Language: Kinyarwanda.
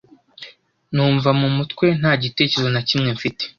numva mu mutwe nta gitekerezo na kimwe mfite.